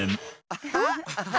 アハハ！